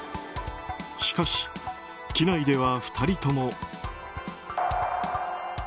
しかし、機内では２人とも。